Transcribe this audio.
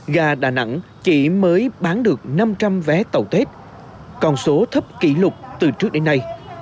gà đà nẵng chỉ mới bán được năm trăm linh vé tàu tết còn số thấp kỷ lục từ trước đến nay